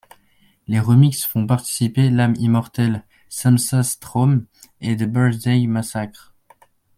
Les remixes font participer L'âme Immortelle, Samsas Traum et The Birthday Massacre.